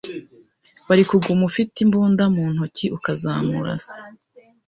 Wari kuguma ufite imbunda mu ntoki ukazamurasa